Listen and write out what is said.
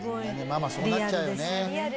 ママそうなっちゃうよね。